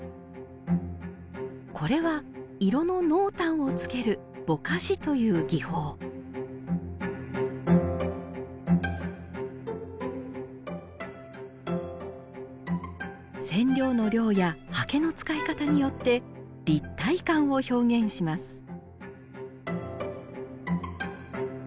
これは色の濃淡をつける「ぼかし」という技法染料の量や刷毛の使い方によって立体感を表現します